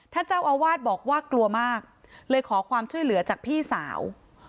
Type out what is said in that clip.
ท่านเจ้าอาวาสบอกว่ากลัวมากเลยขอความช่วยเหลือจากพี่สาว